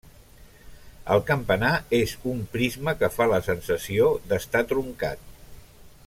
El campanar és un prisma que fa la sensació d'estar truncat.